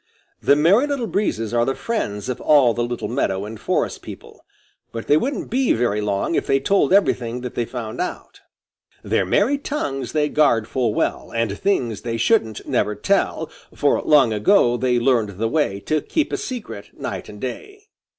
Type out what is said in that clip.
The Merry Little Breezes are the friends of all the little meadow and forest people, but they wouldn't be very long if they told everything that they find out. Their merry tongues they guard full well And things they shouldn't never tell, For long ago they learned the way To keep a secret night and day.